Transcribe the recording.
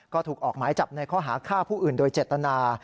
ก็ถูกออกหมายจับในข้อหาฆ่าผู้อื่นโดยเจตนา